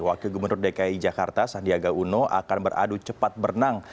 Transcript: wakil gubernur dki jakarta sandiaga uno akan beradu cepat berenang